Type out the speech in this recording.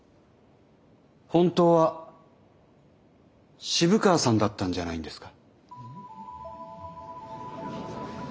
本当は渋川さんだったんじゃないんですか。